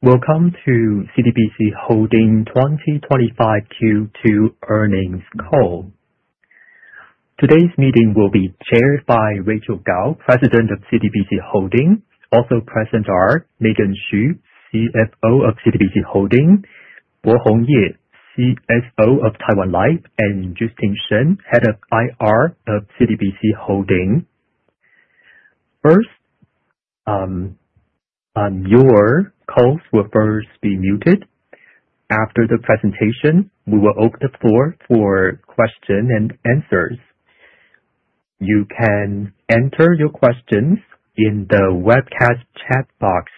Welcome to CTBC Holding 2025 Q2 earnings call. Today's meeting will be chaired by Rachael Kao, President of CTBC Holding. Also present are Megan Hsu, CFO of CTBC Holding, Bohong Ye, CFO of Taiwan Life, and Justine Shen, head of IR of CTBC Holding. Your calls will be muted. After the presentation, we will open the floor for question and answers. You can enter your questions in the webcast chat box.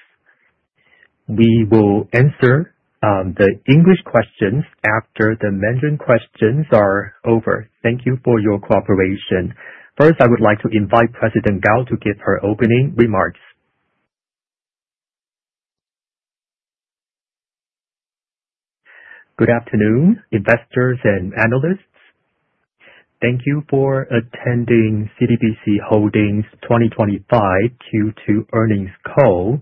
We will answer the English questions after the Mandarin questions are over. Thank you for your cooperation. I would like to invite President Kao to give her opening remarks. Good afternoon, investors and analysts. Thank you for attending CTBC Holdings 2025 Q2 earnings call.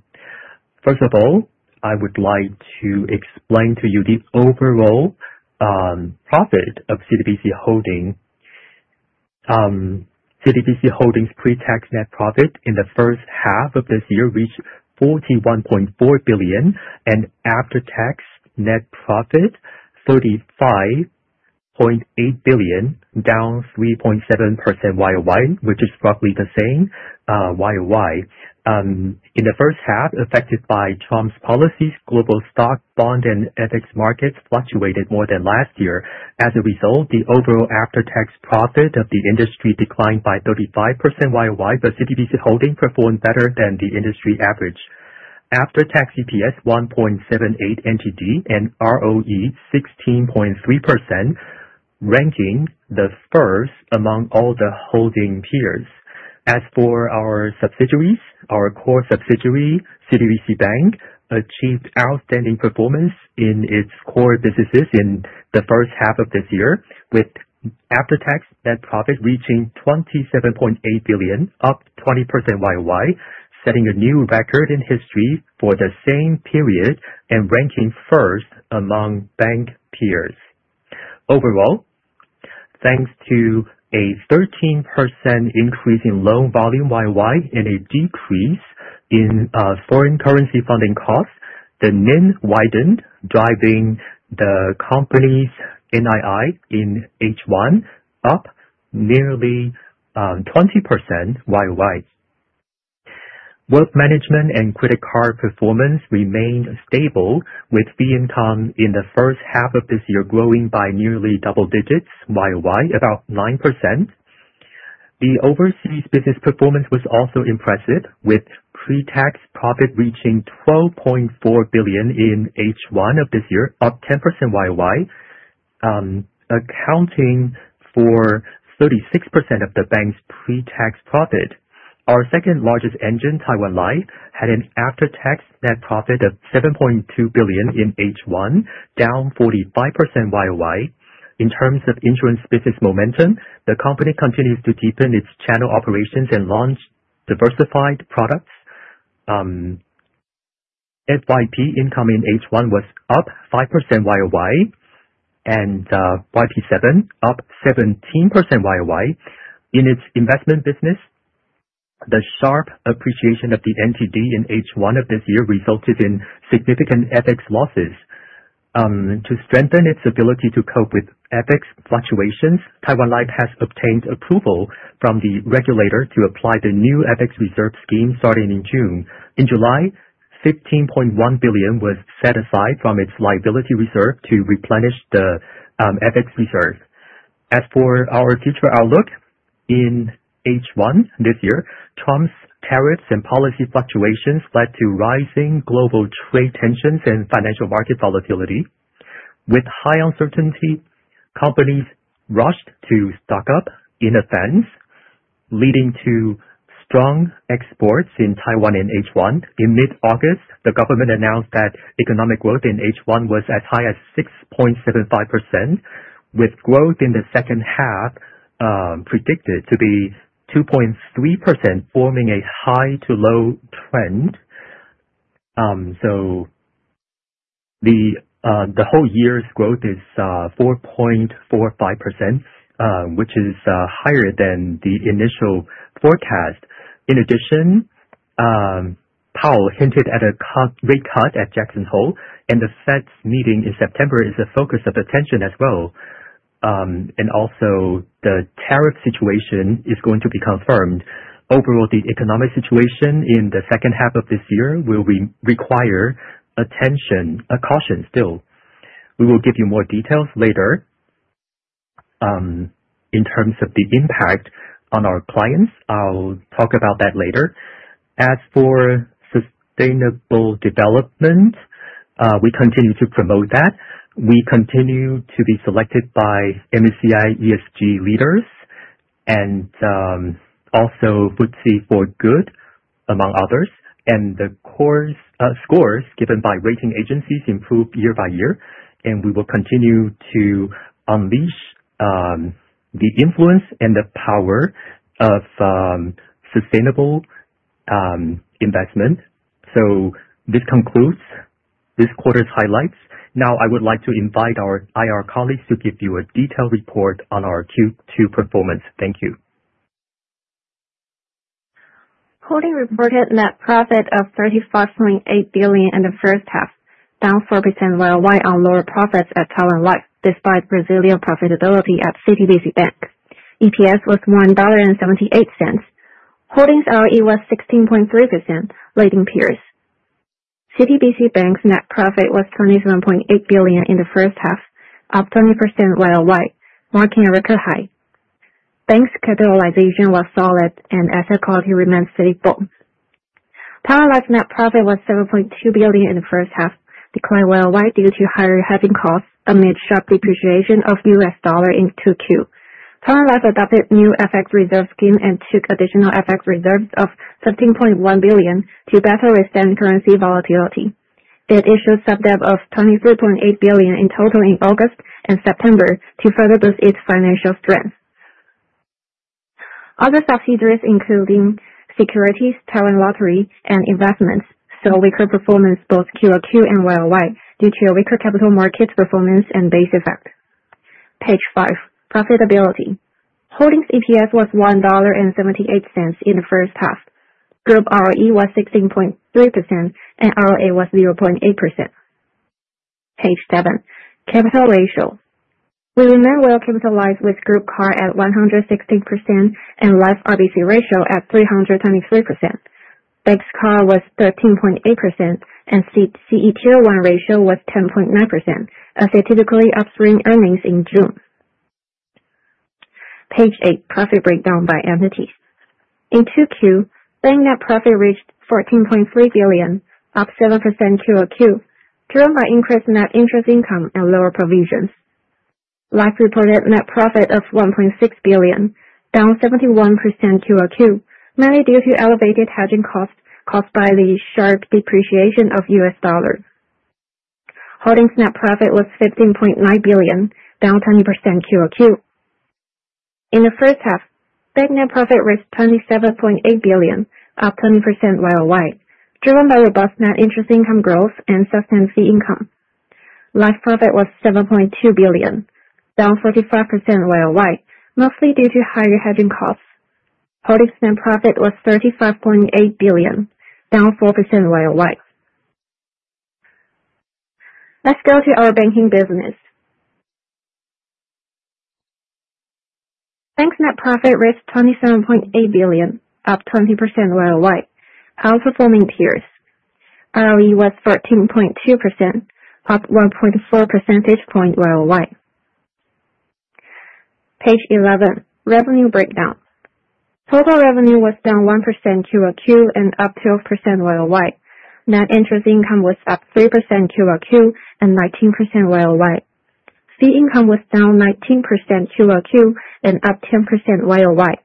I would like to explain to you the overall profit of CTBC Holding. CTBC Holding's pre-tax net profit in the first half of this year reached NTD 41.4 billion and after-tax net profit, NTD 35.8 billion, down 3.7% year-over-year, which is roughly the same year-over-year. In the first half, affected by Trump's policies, global stock, bond, and ESG markets fluctuated more than last year. The overall after-tax profit of the industry declined by 35% year-over-year, but CTBC Holding performed better than the industry average. After-tax EPS NTD 1.78 and ROE 16.3%, ranking the first among all the holding peers. Our core subsidiary, CTBC Bank, achieved outstanding performance in its core businesses in the first half of this year, with after-tax net profit reaching NTD 27.8 billion, up 20% year-over-year, setting a new record in history for the same period and ranking first among bank peers. Thanks to a 13% year-over-year increase in loan volume and a decrease in foreign currency funding costs, the NIM widened, driving the company's NII in H1 up nearly 20% year-over-year. Wealth management and credit card performance remained stable, with fee income in the first half of this year growing by nearly double digits year-over-year, about 9%. The overseas business performance was also impressive, with pre-tax profit reaching NTD 12.4 billion in H1 of this year, up 10% year-over-year, accounting for 36% of the bank's pre-tax profit. Our second-largest engine, Taiwan Life, had an after-tax net profit of NTD 7.2 billion in H1, down 45% year-over-year. The company continues to deepen its channel operations and launch diversified products. FYP income in H1 was up 5% year-over-year, and YP7 up 17% year-over-year. The sharp appreciation of the NTD in H1 of this year resulted in significant FX losses. To strengthen its ability to cope with FX fluctuations, Taiwan Life has obtained approval from the regulator to apply the new FX reserve scheme starting in June. In July, NTD 15.1 billion was set aside from its liability reserve to replenish the FX reserve. In H1 this year, Trump's tariffs and policy fluctuations led to rising global trade tensions and financial market volatility. With high uncertainty, companies rushed to stock up in advance, leading to strong exports in Taiwan in H1. In mid-August, the government announced that economic growth in H1 was as high as 6.75%, with growth in the second half predicted to be 2.3%, forming a high to low trend. The whole year's growth is 4.45%, which is higher than the initial forecast. Powell hinted at a rate cut at Jackson Hole, the Fed's meeting in September is a focus of attention as well. The tariff situation is going to be confirmed. Overall, the economic situation in the second half of this year will require attention. A caution still. We will give you more details later. In terms of the impact on our clients, I'll talk about that later. Sustainable development, we continue to promote that. We continue to be selected by MSCI ESG leaders, also FTSE4Good, among others, the scores given by rating agencies improve year by year, we will continue to unleash the influence and the power of sustainable investment. This concludes this quarter's highlights. I would like to invite our IR colleagues to give you a detailed report on our Q2 performance. Thank you. Holding reported net profit of NTD 35.8 billion in the first half, down 4% year-over-year on lower profits at Taiwan Life, despite resilient profitability at CTBC Bank. EPS was NTD 1.78. Holdings ROE was 16.3%, leading peers. CTBC Bank's net profit was NTD 27.8 billion in the first half, up 20% year-over-year, marking a record high. Bank's capitalization was solid, asset quality remains stable. Taiwan Life net profit was NTD 7.2 billion in the first half, declined year-over-year due to higher hedging costs amid sharp depreciation of US dollar in Q2. Taiwan Life adopted new FX reserve scheme, took additional FX reserves of NTD 13.1 billion to better withstand currency volatility. It issued sub-debt of NTD 23.8 billion in total in August and September to further boost its financial strength. Other subsidiaries, including securities, Taiwan Lottery, investments, saw weaker performance both quarter-over-quarter and year-over-year due to weaker capital market performance and base effect. Page five, profitability. Holdings EPS was NTD 1.78 in the first half. Group ROE was 16.3%, ROA was 0.8%. Page seven, capital ratio. We remain well capitalized with group CAR at 116%, Life RBC ratio at 323%. Bank's CAR was 13.8%, CET1 ratio was 10.9%, as they typically upstream earnings in June. Page eight, profit breakdown by entities. In Q2, bank net profit reached NTD 14.3 billion, up 7% quarter-over-quarter, driven by increased net interest income and lower provisions. Life reported net profit of NTD 1.6 billion, down 71% quarter-over-quarter, mainly due to elevated hedging costs caused by the sharp depreciation of US dollar. Holdings net profit was NTD 15.9 billion, down 20% quarter-over-quarter. In the first half, bank net profit reached NTD 27.8 billion, up 20% year-over-year, driven by robust net interest income growth and sustained fee income. Life profit was NTD 7.2 billion, down 45% year-over-year, mostly due to higher hedging costs. Holdings net profit was NTD 35.48 billion, down 4% year-over-year. Go to our banking business. Bank's net profit reached NTD 27.8 billion, up 20% year-over-year, outperforming peers. ROE was 14.2%, up 1.4 percentage point year-over-year. Page 11, revenue breakdown. Total revenue was down 1% quarter-over-quarter, up 12% year-over-year. Net interest income was up 3% quarter-over-quarter, 19% year-over-year. Fee income was down 19% quarter-over-quarter, up 10% year-over-year.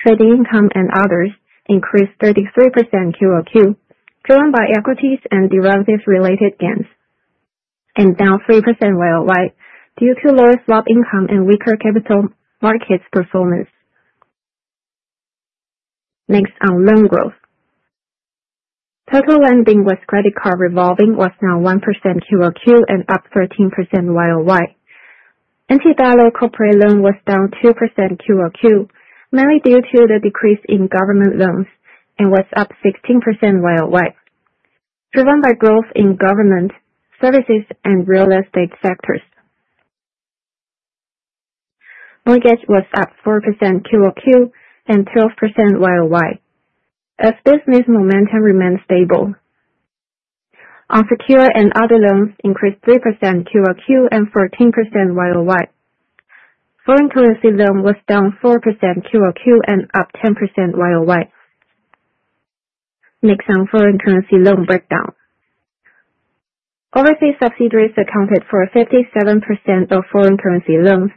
Trading income and others increased 33% quarter-over-quarter, driven by equities and derivatives related gains, and down 3% year-over-year due to lower swap income and weaker capital markets performance. On loan growth. Total lending with credit card revolving was down 1% quarter-over-quarter and up 13% year-over-year. NT dollar corporate loan was down 2% quarter-over-quarter, mainly due to the decrease in government loans, and was up 16% year-over-year, driven by growth in government, services, and real estate sectors. Mortgage was up 4% quarter-over-quarter and 12% year-over-year as business momentum remained stable. Unsecured and other loans increased 3% quarter-over-quarter and 14% year-over-year. Foreign currency loan was down 4% quarter-over-quarter and up 10% year-over-year. On foreign currency loan breakdown. Overseas subsidiaries accounted for 57% of foreign currency loans,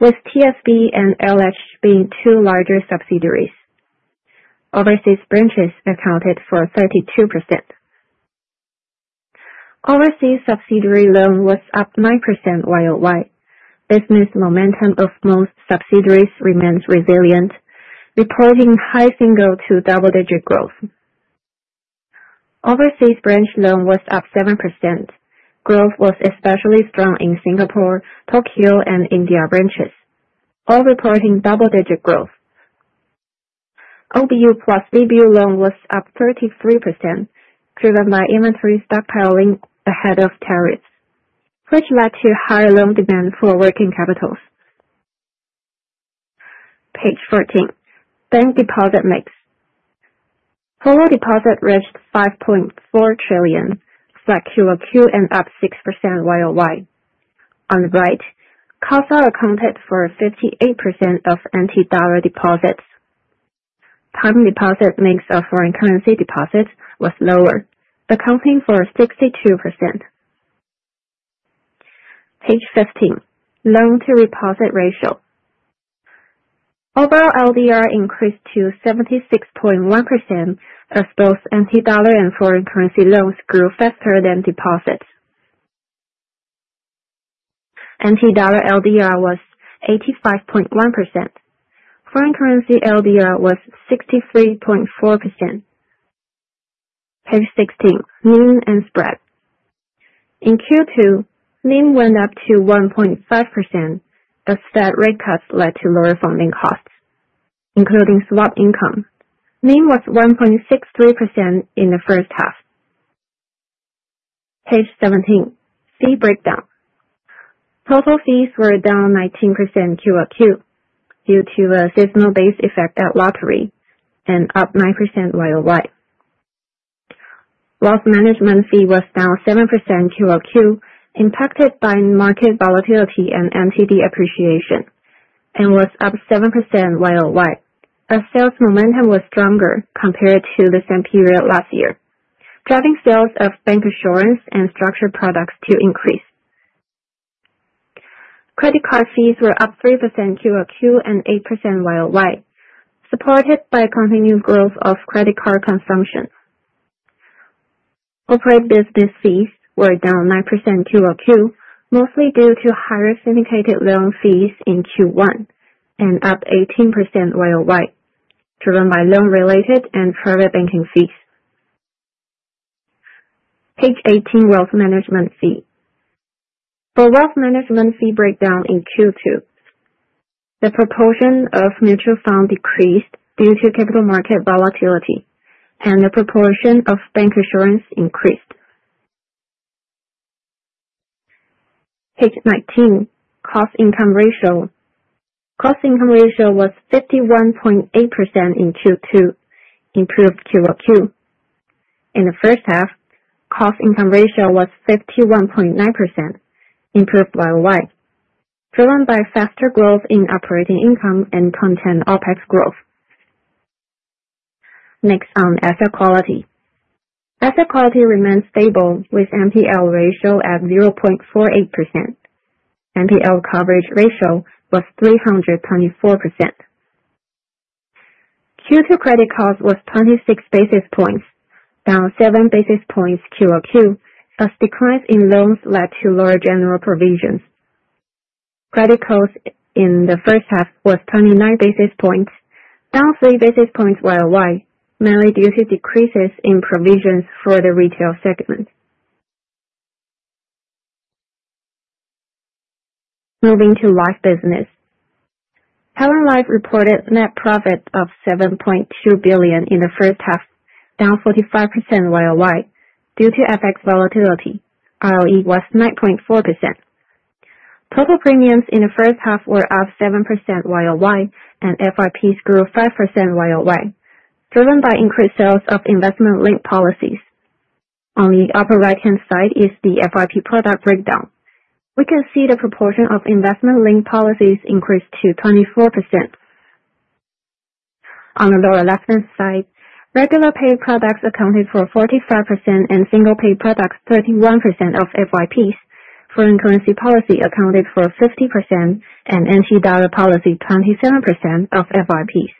with TSB and LH being two larger subsidiaries. Overseas branches accounted for 32%. Overseas subsidiary loan was up 9% year-over-year. Business momentum of most subsidiaries remains resilient, reporting high single to double-digit growth. Overseas branch loan was up 7%. Growth was especially strong in Singapore, Tokyo, and India branches, all reporting double-digit growth. OBU plus DBU loan was up 33%, driven by inventory stockpiling ahead of tariffs, which led to higher loan demand for working capitals. Page 14, bank deposit mix. Total deposit reached NTD 5.4 trillion, flat quarter-over-quarter and up 6% year-over-year. On the right, CASA accounted for 58% of NT dollar deposits. Time deposit mix of foreign currency deposits was lower, accounting for 62%. Page 15, Loan-to-Deposit Ratio. Overall LDR increased to 76.1% as both NT dollar and foreign currency loans grew faster than deposits. NT dollar LDR was 85.1%. Foreign currency LDR was 63.4%. Page 16, NIM and spread. In Q2, NIM went up to 1.5% as Fed rate cuts led to lower funding costs, including swap income. NIM was 1.63% in the first half. Page 17, fee breakdown. Total fees were down 19% quarter-over-quarter due to a seasonal base effect at Lottery and up 9% year-over-year. Wealth management fee was down 7% quarter-over-quarter impacted by market volatility and NTD appreciation and was up 7% year-over-year as sales momentum was stronger compared to the same period last year, driving sales of bancassurance and structured products to increase. Credit card fees were up 3% quarter-over-quarter and 8% year-over-year, supported by continued growth of credit card consumption. Corporate business fees were down 9% quarter-over-quarter, mostly due to higher syndicated loan fees in Q1 and up 18% year-over-year, driven by loan-related and private banking fees. Page 18, wealth management fee. For wealth management fee breakdown in Q2, the proportion of mutual funds decreased due to capital market volatility, and the proportion of bancassurance increased. Page 19, Cost-to-Income Ratio. Cost-to-Income Ratio was 51.8% in Q2, improved quarter-over-quarter. In the first half, Cost-to-Income Ratio was 51.9%, improved year-over-year, driven by faster growth in operating income and contained OpEx growth. On asset quality. Asset quality remains stable with NPL ratio at 0.48%. NPL coverage ratio was 324%. Q2 Credit Cost was 26 basis points, down seven basis points quarter-over-quarter as declines in loans led to lower general provisions. Credit Cost in the first half was 29 basis points, down three basis points year-over-year, mainly due to decreases in provisions for the retail segment. Moving to life business. Taiwan Life reported net profit of NTD 7.2 billion in the first half, down 45% year-over-year due to FX volatility. ROE was 9.4%. Total premiums in the first half were up 7% year-over-year and FYPs grew 5% year-over-year, driven by increased sales of investment-linked policies. On the upper right-hand side is the FYP product breakdown. We can see the proportion of investment-linked policies increased to 24%. On the lower left-hand side, regular pay products accounted for 45% and single pay products 31% of FYPs. Foreign currency policy accounted for 50% and NT dollar policy 27% of FYPs.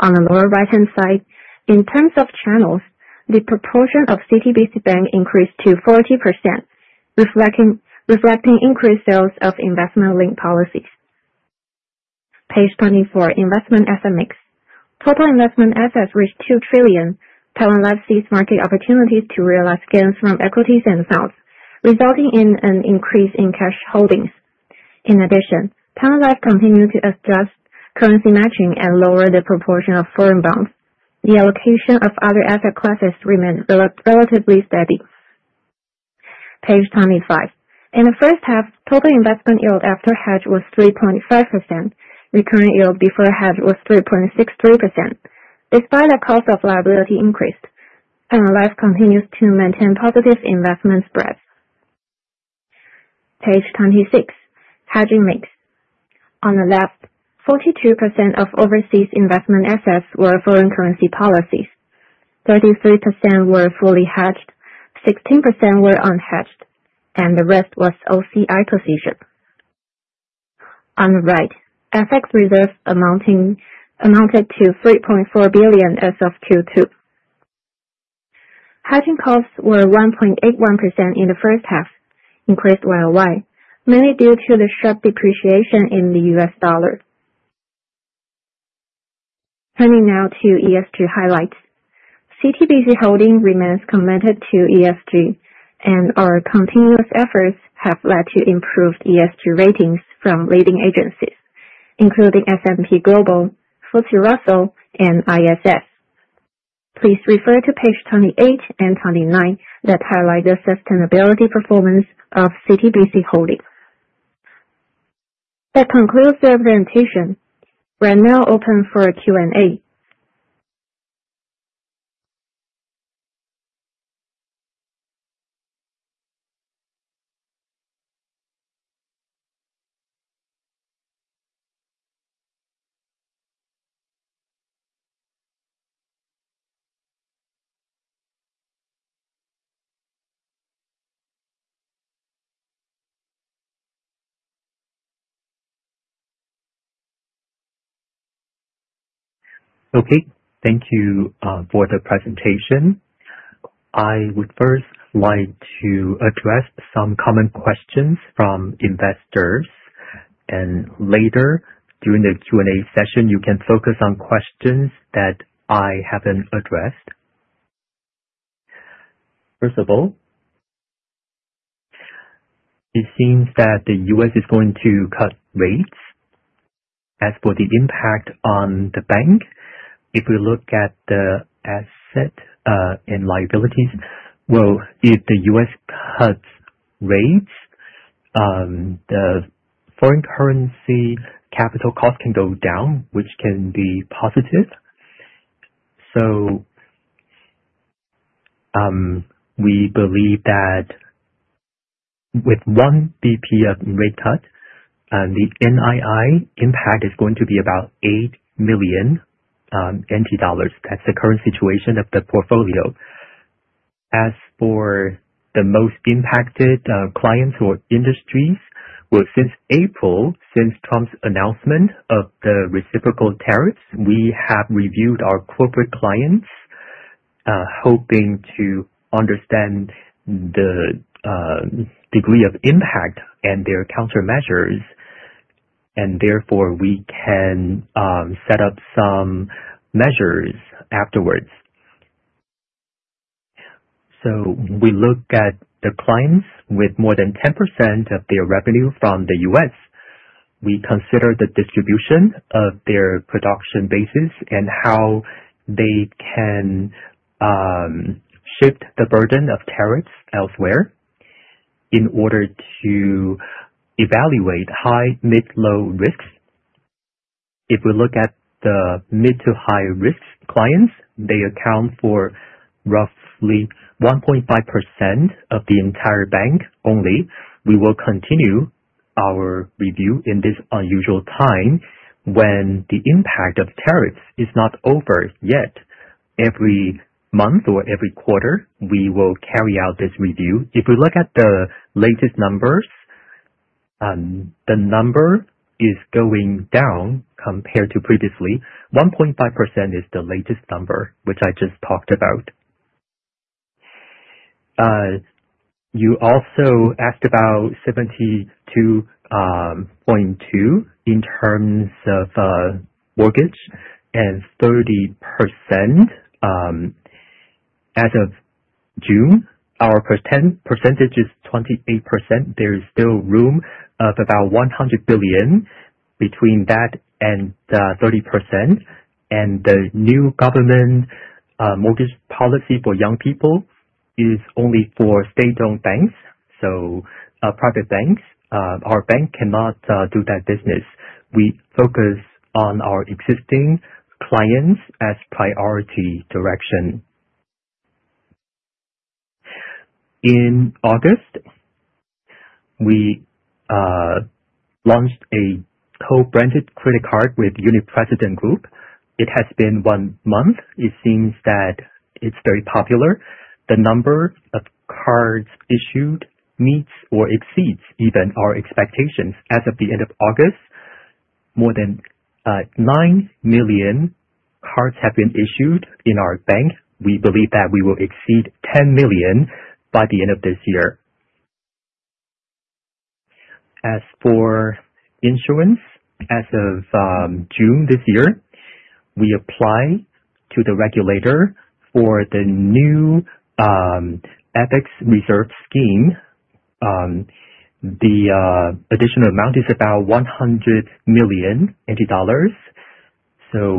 On the lower right-hand side, in terms of channels, the proportion of CTBC Bank increased to 40%, reflecting increased sales of investment-linked policies. Page 24, investment asset mix. Total investment assets reached NTD 2 trillion. Taiwan Life seized market opportunities to realize gains from equities and bonds, resulting in an increase in cash holdings. In addition, Taiwan Life continued to adjust currency matching and lower the proportion of foreign bonds. The allocation of other asset classes remained relatively steady. Page 25. In the first half, total investment yield after hedge was 3.5%. Recurring yield before hedge was 3.63%. Despite the cost of liability increase, Taiwan Life continues to maintain positive investment spreads. Page 26, hedging mix. On the left, 42% of overseas investment assets were foreign currency policies, 33% were fully hedged, 16% were unhedged, and the rest was OCI position. On the right, FX reserves amounted to $3.4 billion as of Q2. Hedging costs were 1.81% in the first half, increased year-over-year, mainly due to the sharp depreciation in the US dollar. Turning now to ESG highlights. CTBC Holding remains committed to ESG, and our continuous efforts have led to improved ESG ratings from leading agencies, including S&P Global, FTSE Russell, and ISS. Please refer to page 28 and 29 that highlight the sustainability performance of CTBC Holding. That concludes the presentation. We are now open for a Q&A. Thank you for the presentation. I would first like to address some common questions from investors, and later during the Q&A session, you can focus on questions that I haven't addressed. First of all, it seems that the U.S. is going to cut rates. As for the impact on the bank, if we look at the asset and liabilities, well, if the U.S. cuts rates, the foreign currency capital cost can go down, which can be positive. We believe that with one basis point of rate cut, the NII impact is going to be about NTD eight million. That's the current situation of the portfolio. As for the most impacted clients or industries, well, since April, since Trump's announcement of the reciprocal tariffs, we have reviewed our corporate clients, hoping to understand the degree of impact and their countermeasures, and therefore, we can set up some measures afterwards. We look at the clients with more than 10% of their revenue from the U.S. We consider the distribution of their production bases and how they can shift the burden of tariffs elsewhere in order to evaluate high, mid, low risks. We look at the mid to high-risk clients, they account for roughly 1.5% of the entire bank only. We will continue our review in this unusual time when the impact of tariffs is not over yet. Every month or every quarter, we will carry out this review. We look at the latest numbers, the number is going down compared to previously. 1.5% is the latest number which I just talked about. You also asked about 72.2 in terms of mortgage and 30%. As of June, our percentage is 28%. There is still room of about NTD 100 billion between that and 30%. The new government mortgage policy for young people is only for state-owned banks. Private banks, our bank cannot do that business. We focus on our existing clients as priority direction. In August, we launched a co-branded credit card with Uni-President Group. It has been one month. It seems that it's very popular. The number of cards issued meets or exceeds even our expectations. As of the end of August, more than 9 million cards have been issued in our bank. We believe that we will exceed 10 million by the end of this year. As for insurance, as of June this year, we apply to the regulator for the new FX reserve scheme. The additional amount is about NTD 100 million. That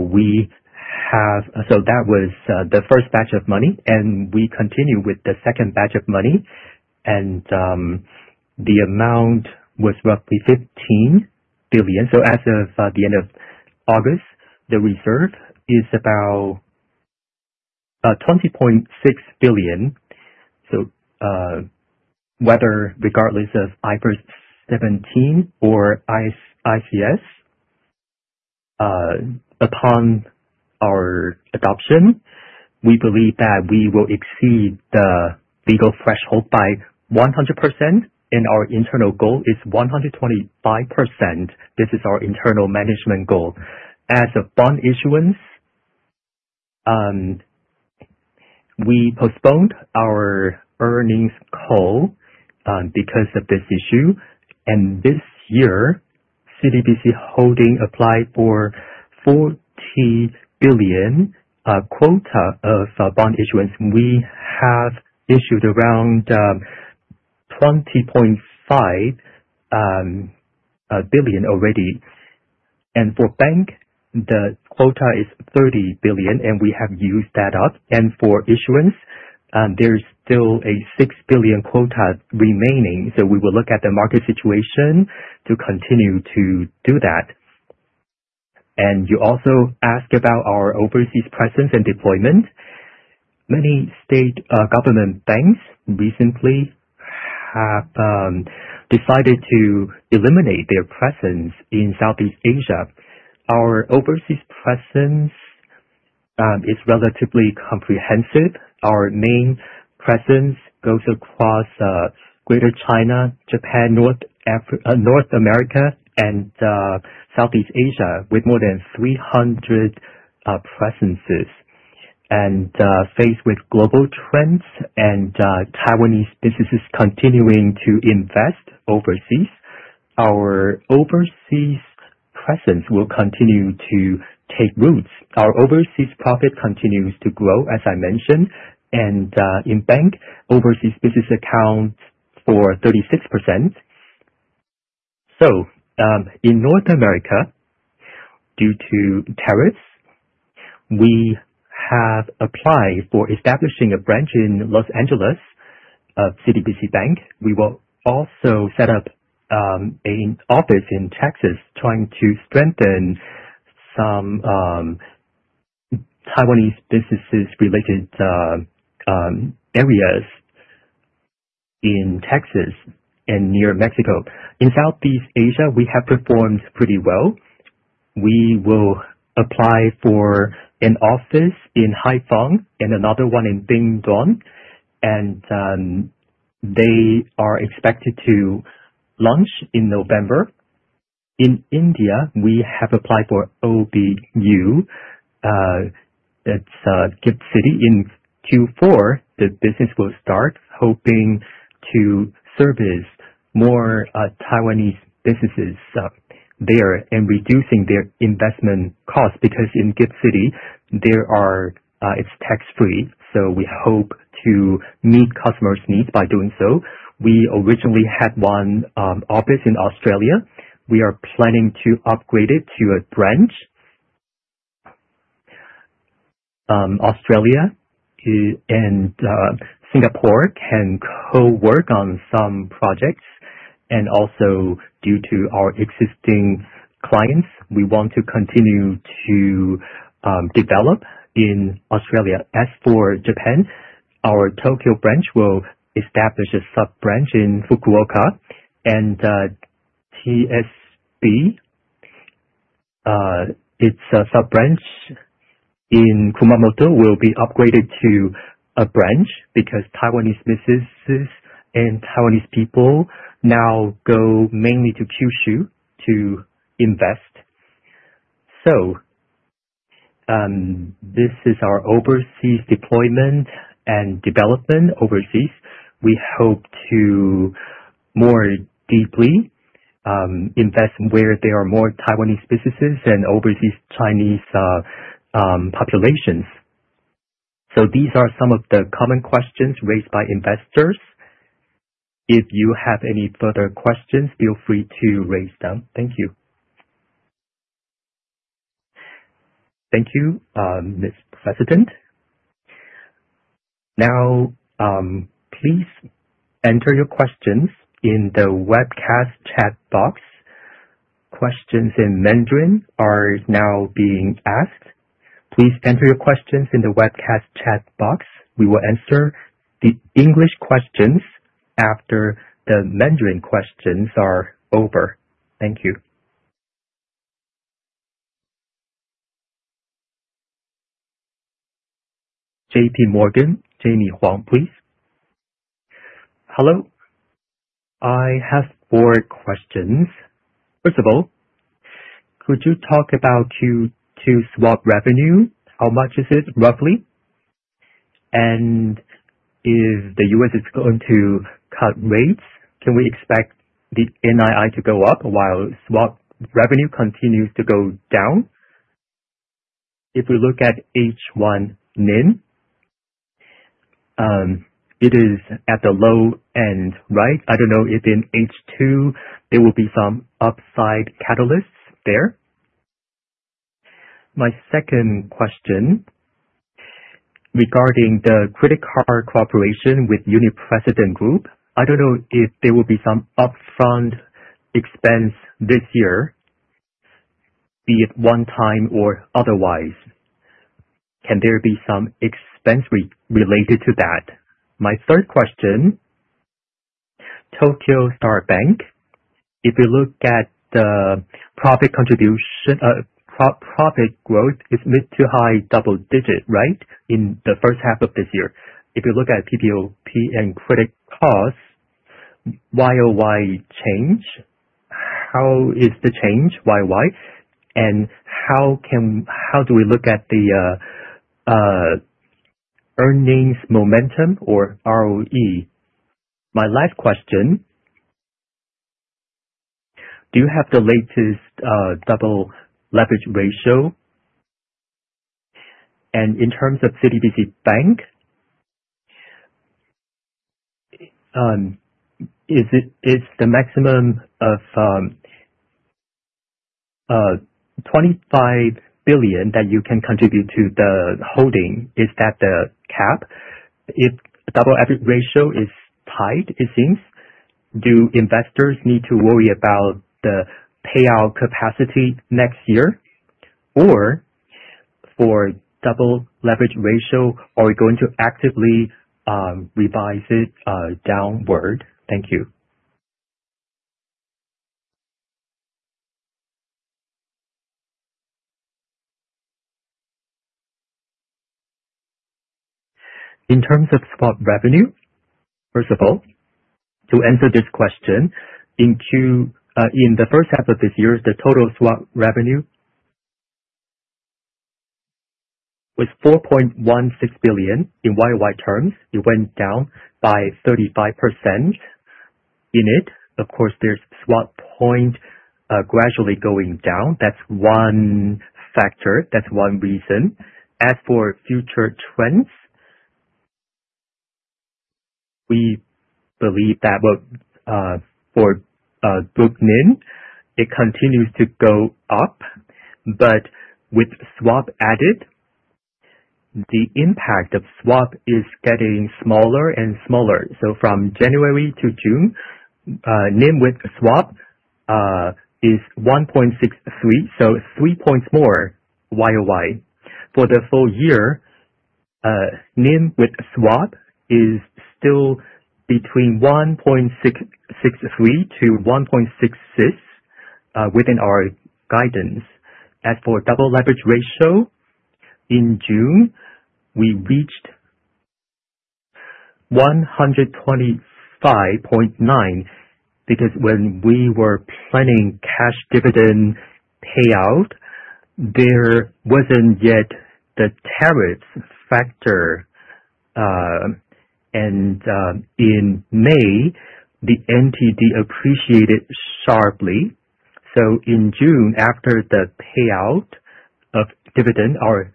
was the first batch of money, and we continue with the second batch of money, and the amount was roughly NTD 15 billion. As of the end of August, the reserve is about NTD 20.6 billion. Whether regardless of IFRS 17 or ICS, upon our adoption, we believe that we will exceed the legal threshold by 100%, and our internal goal is 125%. This is our internal management goal. As of bond issuance, we postponed our earnings call because of this issue. This year, CTBC Holding applied for NTD 40 billion quota of bond issuance. We have issued around NTD 20.5 billion already. For bank, the quota is NTD 30 billion, and we have used that up. For issuance, there is still a NTD 6 billion quota remaining. We will look at the market situation to continue to do that. You also asked about our overseas presence and deployment. Many state government banks recently have decided to eliminate their presence in Southeast Asia. Our overseas presence It's relatively comprehensive. Our main presence goes across Greater China, Japan, North America, and Southeast Asia, with more than 300 presences. Faced with global trends and Taiwanese businesses continuing to invest overseas, our overseas presence will continue to take roots. Our overseas profit continues to grow, as I mentioned, and in bank, overseas business accounts for 36%. In North America, due to tariffs, we have applied for establishing a branch in L.A., CTBC Bank. We will also set up an office in Texas, trying to strengthen some Taiwanese businesses related areas in Texas and near Mexico. In Southeast Asia, we have performed pretty well. We will apply for an office in Haiphong and another one in Bình Dương, and they are expected to launch in November. In India, we have applied for OBU. It's GIFT City in Q4, the business will start hoping to service more Taiwanese businesses there and reducing their investment costs. Because in GIFT City, it's tax-free, we hope to meet customers' needs by doing so. We originally had one office in Australia. We are planning to upgrade it to a branch. Australia and Singapore can co-work on some projects, and also due to our existing clients, we want to continue to develop in Australia. As for Japan, our Tokyo branch will establish a sub-branch in Fukuoka, and TSB, its sub-branch in Kumamoto will be upgraded to a branch because Taiwanese businesses and Taiwanese people now go mainly to Kyushu to invest. This is our overseas deployment and development overseas. We hope to more deeply invest where there are more Taiwanese businesses and overseas Chinese populations. These are some of the common questions raised by investors. If you have any further questions, feel free to raise them. Thank you. Thank you, Mr. President. Now, please enter your questions in the webcast chat box. Questions in Mandarin are now being asked. Please enter your questions in the webcast chat box. We will answer the English questions after the Mandarin questions are over. Thank you. JPMorgan, Jaime Huang, please. Hello. I have four questions. First of all, could you talk about Q2 swap revenue? How much is it, roughly? If the U.S. is going to cut rates, can we expect the NII to go up while swap revenue continues to go down? If we look at H1 NIM, it is at the low end, right? I don't know if in H2 there will be some upside catalysts there. My second question regarding the credit card cooperation with Uni-President Group, I don't know if there will be some upfront expense this year, be it one time or otherwise. Can there be some expense related to that? My third question, Tokyo Star Bank. If you look at the profit growth, it's mid to high double digit, right? In the first half of this year. If you look at PPOP and credit costs, year-over-year change, how is the change year-over-year? How do we look at the earnings momentum or ROE? My last question, do you have the latest total leverage ratio? In terms of CTBC Bank, is the maximum of NTD 25 billion that you can contribute to the holding, is that the cap? If total leverage ratio is tight, it seems, do investors need to worry about the payout capacity next year? For total leverage ratio, are we going to actively revise it downward? Thank you. In terms of swap revenue, first of all, to answer this question, in the first half of this year, the total swap revenue was NTD 4.16 billion. In year-over-year terms, it went down by 35%. In it, of course, there's swap point gradually going down. That's one factor. That's one reason. As for future trends, we believe that for book NIM, it continues to go up, but with swap added, the impact of swap is getting smaller and smaller. From January to June, NIM with swap is 1.63%, so 3 points more year-over-year. For the full year, NIM with swap is still between 1.63%-1.66% within our guidance. As for Double Leverage Ratio, in June, we reached 125.9% because when we were planning cash dividend payout, there wasn't yet the tariff factor. In May, the NTD appreciated sharply. In June, after the payout of dividend, our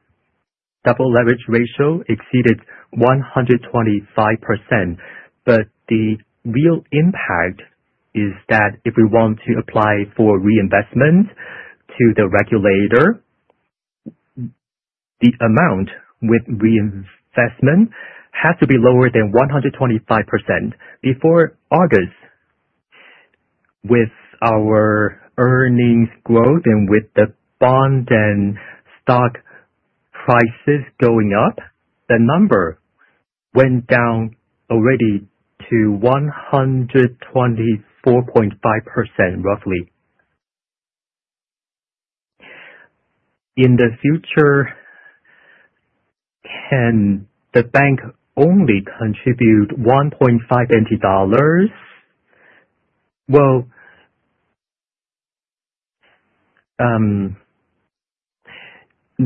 Double Leverage Ratio exceeded 125%. The real impact is that if we want to apply for reinvestment to the regulator, the amount with reinvestment has to be lower than 125%. Before August, with our earnings growth and with the bond and stock prices going up, the number went down already to 124.5%, roughly. In the future, can the bank only contribute NTD 1.5?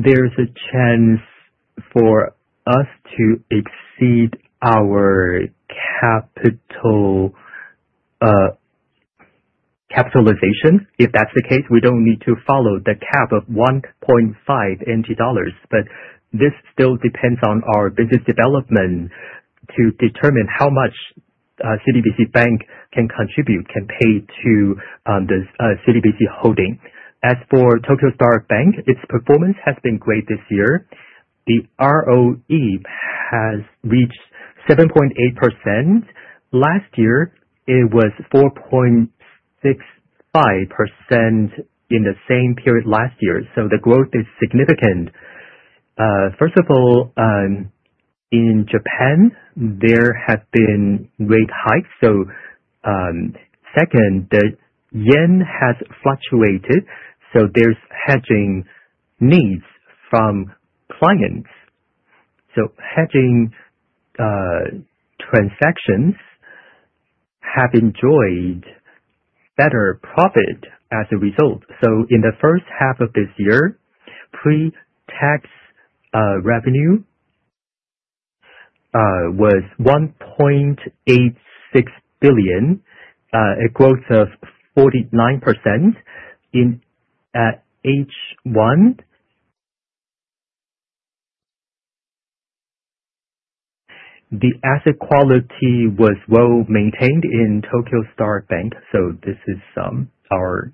There is a chance for us to exceed our capitalization. If that's the case, we don't need to follow the cap of NTD 1.5. This still depends on our business development to determine how much CTBC Bank can contribute, can pay to this CTBC Holding. As for Tokyo Star Bank, its performance has been great this year. The ROE has reached 7.8%. Last year, it was 4.65% in the same period last year. The growth is significant. First of all, in Japan, there have been rate hikes. Second, the yen has fluctuated, there's hedging needs from clients. Hedging transactions have enjoyed better profit as a result. In the first half of this year, pre-tax revenue was 1.86 billion, a growth of 49% in H1. The asset quality was well-maintained in Tokyo Star Bank. This is our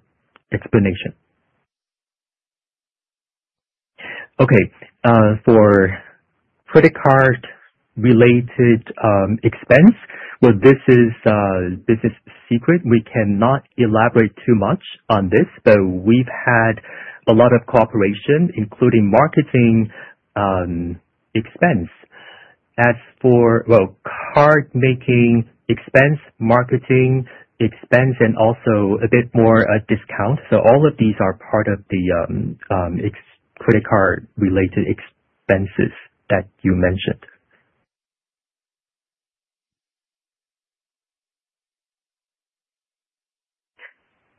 explanation. For credit card-related expense, this is secret. We cannot elaborate too much on this, but we've had a lot of cooperation, including marketing expense. As for card-making expense, marketing expense, and also a bit more discount. All of these are part of the credit card-related expenses that you mentioned.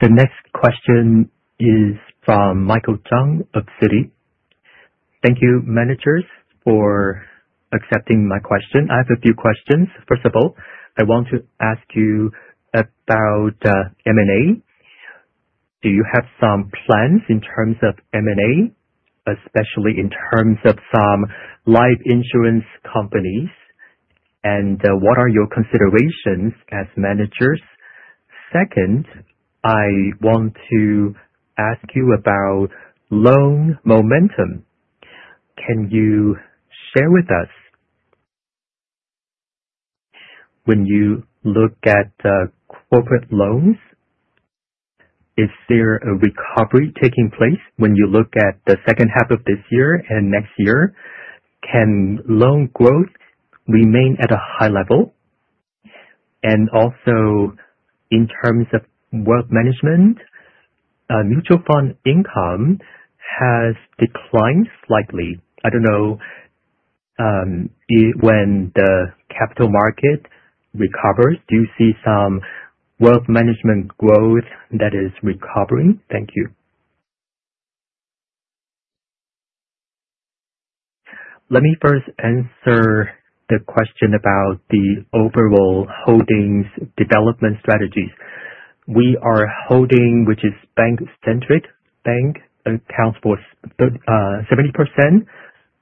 The next question is from Michael Chung of Citi. Thank you, managers, for accepting my question. I have a few questions. First of all, I want to ask you about M&A. Do you have some plans in terms of M&A, especially in terms of some life insurance companies? What are your considerations as managers? Second, I want to ask you about loan momentum. Can you share with us, when you look at the corporate loans, is there a recovery taking place when you look at the second half of this year and next year? Can loan growth remain at a high level? Also in terms of work management, mutual fund income has declined slightly. I don't know when the capital market recovers. Do you see some wealth management growth that is recovering? Thank you. Let me first answer the question about the overall Holding's development strategies. We are holding, which is bank centric. Bank accounts for 70%,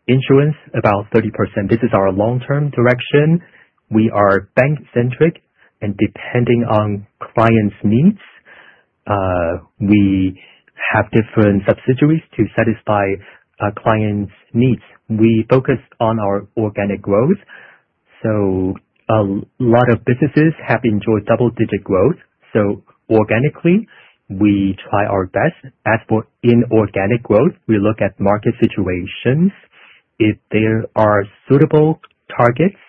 insurance about 30%. This is our long-term direction. We are bank centric. Depending on clients' needs, we have different subsidiaries to satisfy our clients' needs. We focus on our organic growth. A lot of businesses have enjoyed double-digit growth. Organically, we try our best. As for inorganic growth, we look at market situations. If there are suitable targets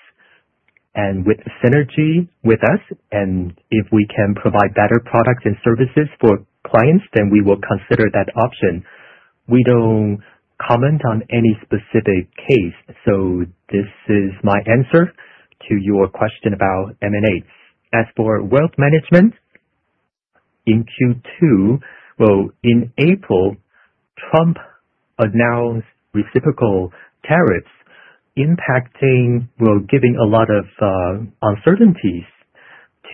and with synergy with us, if we can provide better products and services for clients, we will consider that option. We don't comment on any specific case. This is my answer to your question about M&As. As for wealth management in Q2, in April, Trump announced reciprocal tariffs, impacting, giving a lot of uncertainties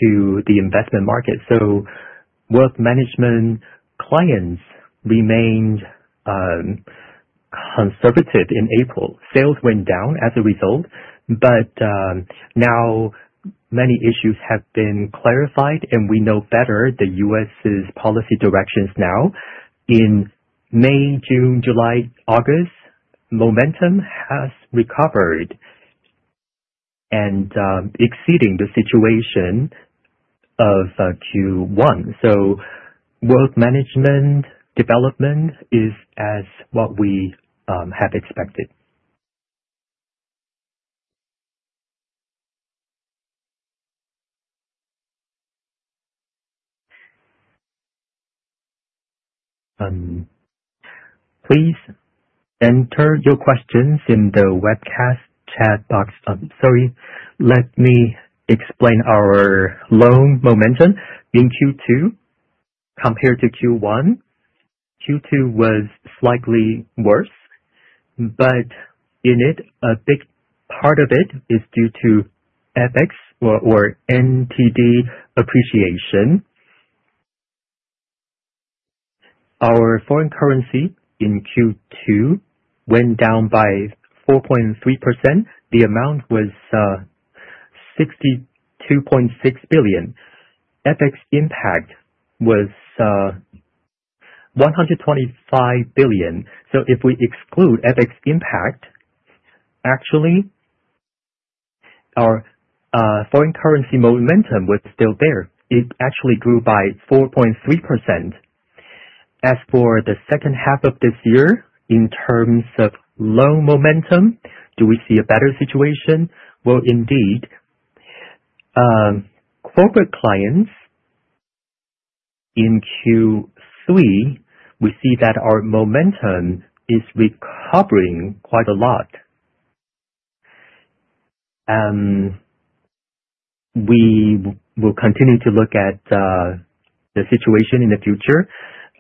to the investment market. Wealth management clients remained conservative in April. Sales went down as a result. Now many issues have been clarified, and we know better the U.S.'s policy directions now. In May, June, July, August, momentum has recovered and exceeding the situation of Q1. Wealth management development is as what we have expected. Please enter your questions in the webcast chat box. Sorry, let me explain our loan momentum in Q2 compared to Q1. Q2 was slightly worse, a big part of it is due to FX or NTD appreciation. Our foreign currency in Q2 went down by 4.3%. The amount was NTD 62.6 billion. FX impact was NTD 125 billion. If we exclude FX impact, actually, our foreign currency momentum was still there. It actually grew by 4.3%. As for the second half of this year, in terms of loan momentum, do we see a better situation? Indeed. Corporate clients in Q3, we see that our momentum is recovering quite a lot. We will continue to look at the situation in the future.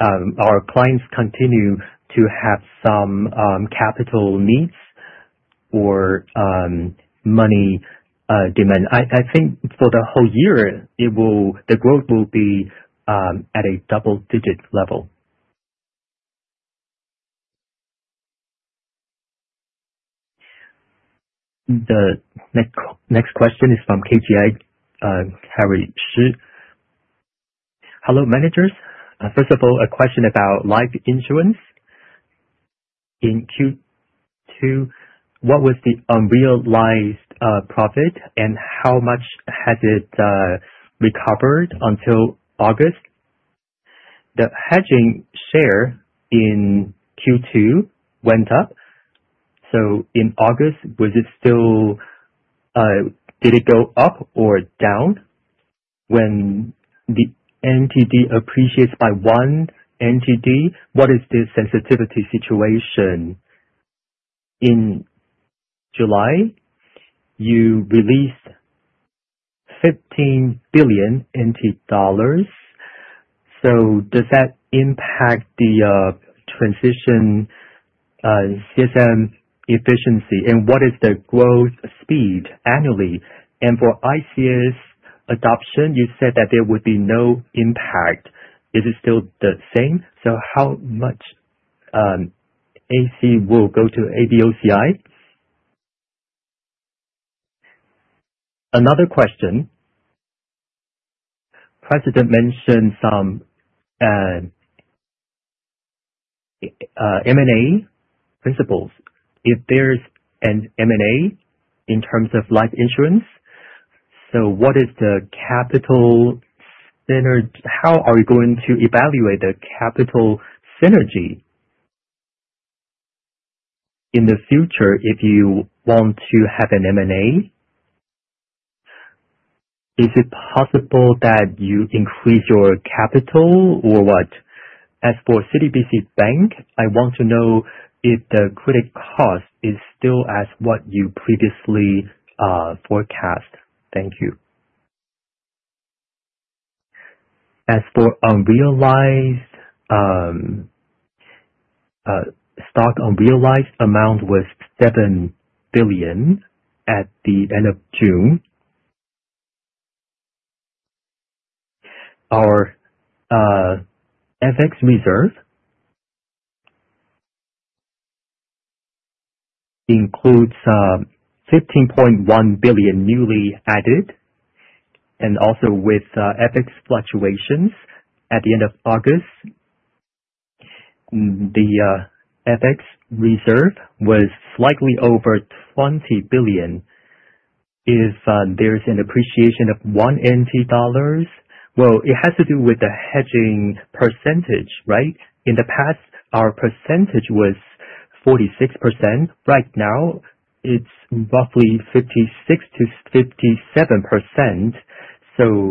Our clients continue to have some capital needs or money demand. I think for the whole year, the growth will be at a double-digit level. The next question is from KGI, Harry Shi. Hello, managers. First of all, a question about life insurance. In Q2, what was the unrealized profit, and how much has it recovered until August? The hedging share in Q2 went up. In August, did it go up or down? When the NTD appreciates by one NT dollar, what is the sensitivity situation? In July, you released NTD 15 billion. Does that impact the transition CSM efficiency, and what is the growth speed annually? For ICS adoption, you said that there would be no impact. Is it still the same? How much AC will go to ADOCI? Another question. President mentioned some M&A principles. If there's an M&A in terms of life insurance, what is the capital synergy? How are you going to evaluate the capital synergy? In the future, if you want to have an M&A, is it possible that you increase your capital or what? As for CTBC Bank, I want to know if the Credit Cost is still as what you previously forecast. Thank you. As for stock unrealized amount was NTD seven billion at the end of June. Our FX reserve includes NTD 15.1 billion newly added, and also with FX fluctuations at the end of August. The FX reserve was slightly over NTD 20 billion. If there's an appreciation of one NT dollar, it has to do with the hedging percentage, right? In the past, our percentage was 46%. Right now it's roughly 56%-57%. One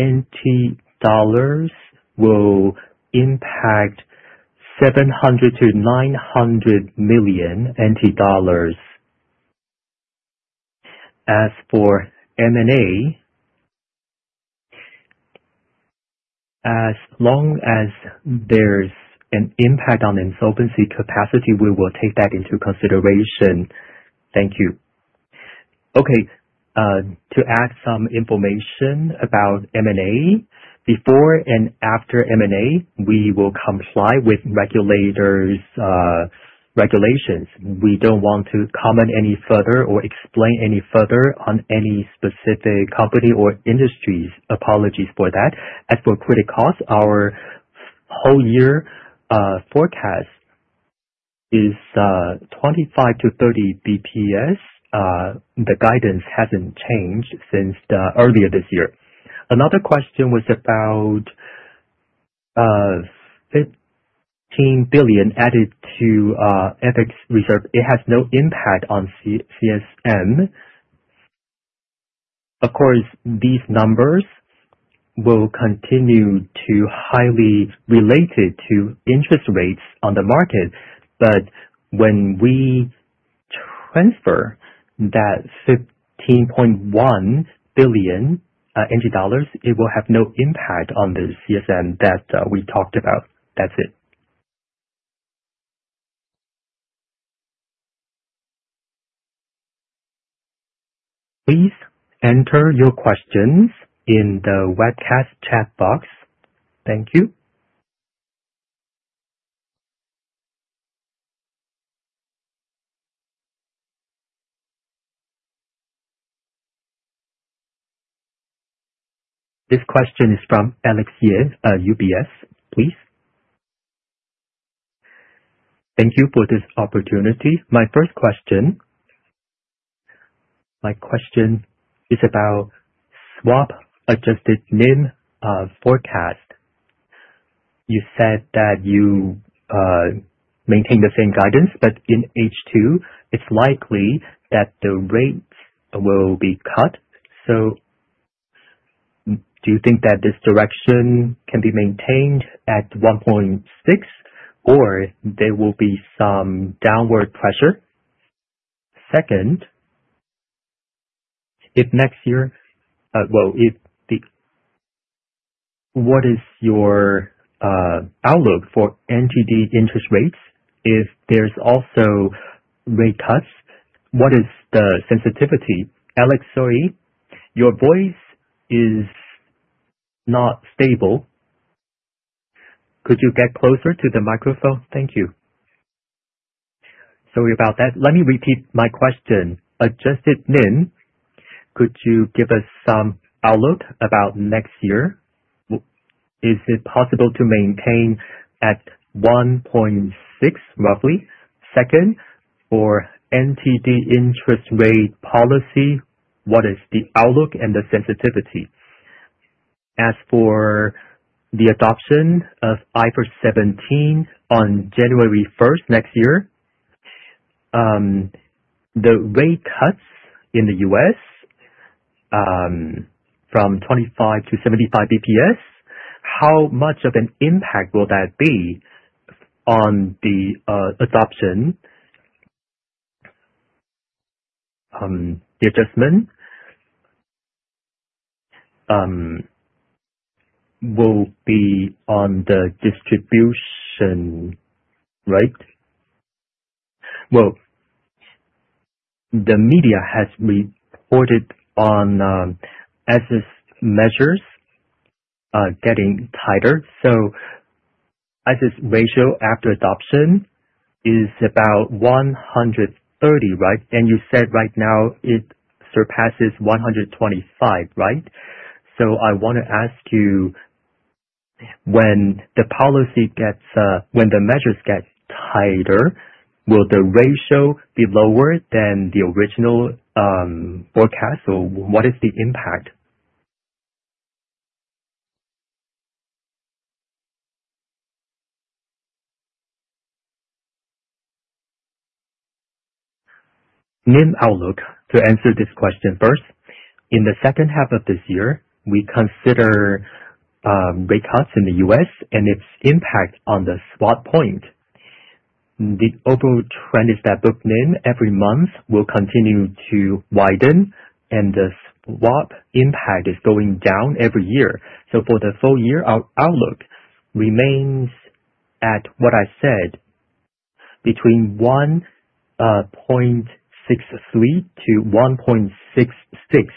NT dollar will impact NTD 700 million-NTD 900 million. As for M&A, as long as there's an impact on insolvency capacity, we will take that into consideration. Thank you. To add some information about M&A. Before and after M&A, we will comply with regulators' regulations. We don't want to comment any further or explain any further on any specific company or industries. Apologies for that. As for Credit Cost, our whole year forecast is 25-30 BPS. The guidance hasn't changed since earlier this year. Another question was about NTD 15 billion added to FX reserve. It has no impact on CSM. These numbers will continue to highly related to interest rates on the market, but when we transfer that NTD 15.1 billion, it will have no impact on the CSM that we talked about. That's it. Please enter your questions in the webcast chat box. Thank you. This question is from Alex here, UBS. Please. Thank you for this opportunity. My first question is about swap adjusted NIM forecast. You said that you maintain the same guidance, but in H2 it's likely that the rates will be cut. Do you think that this direction can be maintained at 1.6 or there will be some downward pressure? Second, what is your outlook for NTD interest rates if there's also rate cuts? What is the sensitivity? Alex, sorry, your voice is not stable. Could you get closer to the microphone? Thank you. Sorry about that. Let me repeat my question. Adjusted NIM, could you give us some outlook about next year? Is it possible to maintain at 1.6 roughly? Second, for NTD interest rate policy, what is the outlook and the sensitivity? As for the adoption of IFRS 17 on January 1st next year, the rate cuts in the U.S. from 25 to 75 basis points, how much of an impact will that be on the adoption? The adjustment will be on the distribution rate? The media has reported on ICS measures getting tighter, ICS ratio after adoption is about 130, right? You said right now it surpasses 125, right? I want to ask you, when the measures get tighter, will the ratio be lower than the original forecast, or what is the impact? NIM outlook. To answer this question first, in the second half of this year, we consider rate cuts in the U.S. and its impact on the swap point. The overall trend is that book NIM every month will continue to widen and the swap impact is going down every year. For the full year, our outlook remains at what I said, between 1.63%-1.66%.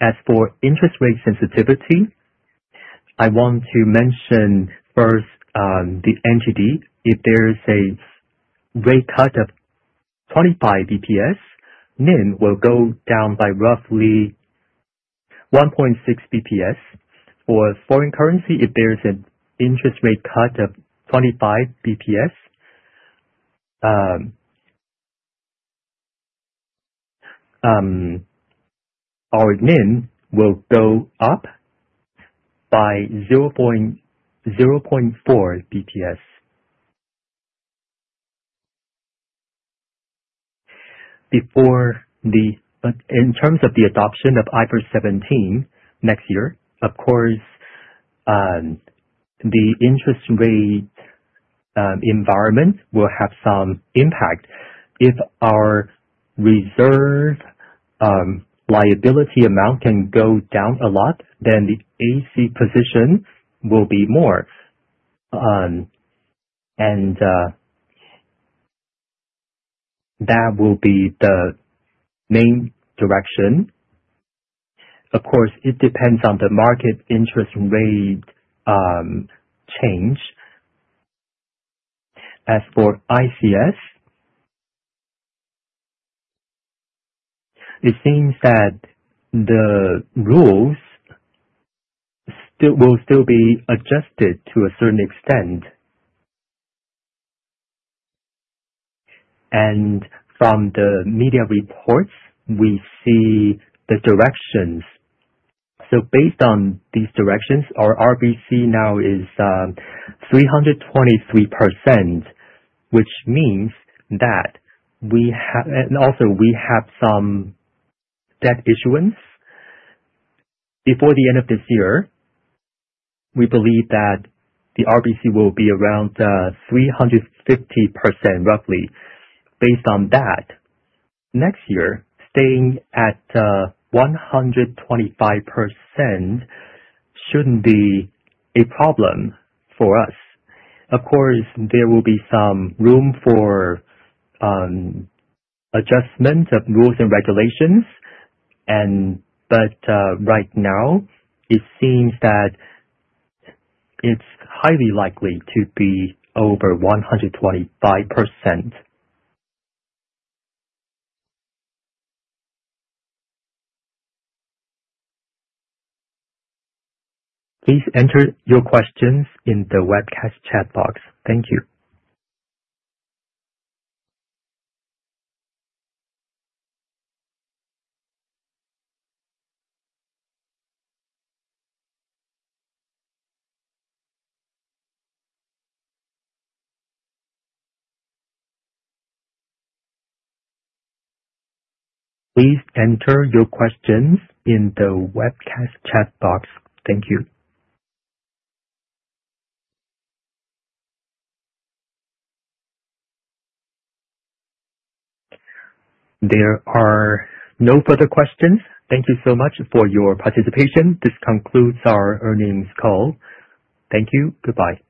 As for interest rate sensitivity, I want to mention first, the NTD. If there is a rate cut of 25 basis points, NIM will go down by roughly 1.6 basis points. For foreign currency, if there is an interest rate cut of 25 basis points, our NIM will go up by 0.4 basis points. In terms of the adoption of IFRS 17 next year, of course, the interest rate environment will have some impact. If our reserve liability amount can go down a lot, then the AC position will be more. That will be the main direction. Of course, it depends on the market interest rate change. As for ICS, it seems that the rules will still be adjusted to a certain extent. From the media reports, we see the directions. Based on these directions, our RBC now is 323%, and also we have some debt issuance. Before the end of this year, we believe that the RBC will be around 350% roughly. Based on that, next year, staying at 125% shouldn't be a problem for us. Of course, there will be some room for adjustment of rules and regulations. Right now, it seems that it's highly likely to be over 125%. Please enter your questions in the webcast chat box. Thank you. Please enter your questions in the webcast chat box. Thank you. There are no further questions. Thank you so much for your participation. This concludes our earnings call. Thank you. Goodbye.